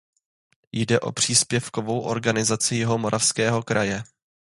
Jde o příspěvkovou organizaci Jihomoravského kraje.